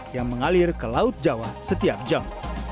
yang mengalir ke laut jawa setiap jam